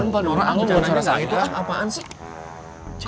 bukan suara saya itu apaan sih